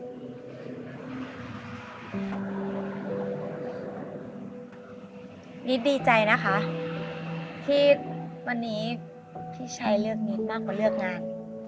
นิดดีใจนะคะที่วันนี้พี่ชัยเลือกนิดมากกว่าเลือกงาน